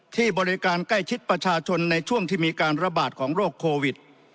ที่บริการใกล้ชิดประชาชนในช่วงที่มีการระบาดของโรคโควิด